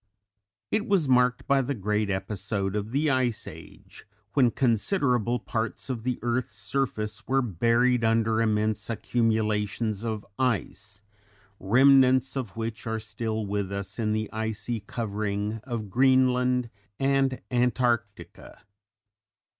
It was marked by the great episode of the Ice Age, when considerable parts of the earth's surface were buried under immense accumulations of ice, remnants of which are still with us in the icy covering of Greenland and Antarctica.